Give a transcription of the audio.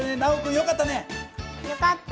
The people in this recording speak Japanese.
よかった！